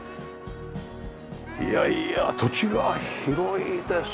いやいや土地が広いですね。